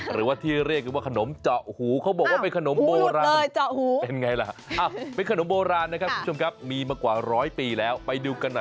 หรือว่าที่เรียกคือว่าขนมเจาะหู